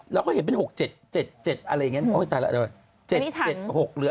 เราก็เห็นเป็น๖๗๗อะไรอย่างนี้ตายแล้ว